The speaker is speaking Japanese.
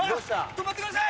止まってください！